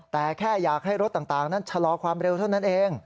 แต่แค่อยากให้รถต่างนั้นชะลอความเร็วเท่านั้นเอง